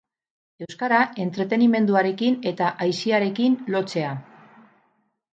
Euskara entretenimenduarekin eta aisiarekin lotzea.